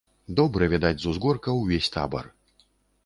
Добра відаць з узгорка ўвесь табар.